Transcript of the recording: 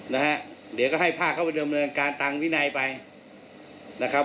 นะฮะเดี๋ยวก็ให้ภาคเข้าไปเดิมเนินการทางวินัยไปนะครับ